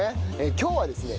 今日はですね